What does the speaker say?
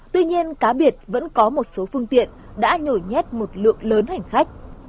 tuy nhiên cá biệt vẫn có một số phương tiện đã nhồi nhét một lượng lớn hành khách